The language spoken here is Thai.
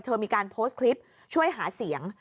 มีการโพสต์คลิปช่วยหาเสียง